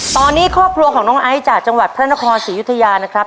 ตอนนี้ครอบครัวของน้องไอซ์จากจังหวัดพระนครศรียุธยานะครับ